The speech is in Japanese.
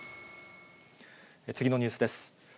次のニュースです。